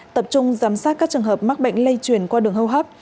tập trung giám sát các trường hợp mắc bệnh lây truyền qua đường hâu hấp